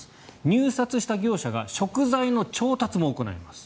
入札した業者が食材の調達も行います。